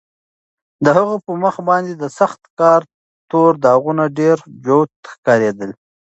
د هغه په مخ باندې د سخت کار تور داغونه ډېر جوت ښکارېدل.